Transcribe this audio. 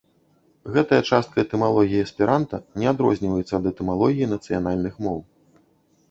Гэтая частка этымалогіі эсперанта не адрозніваецца ад этымалогіі нацыянальных моў.